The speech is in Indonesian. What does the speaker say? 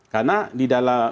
karena di dalam